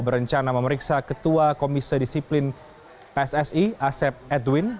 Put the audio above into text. berencana memeriksa ketua komite disiplin pssi asep edwin